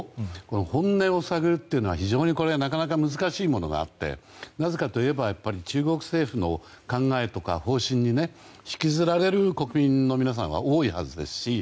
本音を探るというのは非常になかなか難しいものがあってなぜかといえば中国政府の考えとか方針に引きずられる国民の皆さんが多いはずですし。